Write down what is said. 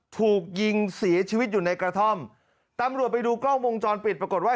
ถูกยิงเสียชีวิตอยู่ในกระท่อมตำรวจไปดูกล้องวงจรปิดปรากฏว่า